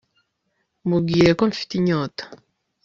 mubwire ko mfite inyota